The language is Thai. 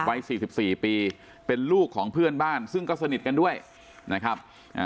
วัย๔๔ปีเป็นลูกของเพื่อนบ้านซึ่งก็สนิทกันด้วยนะครับ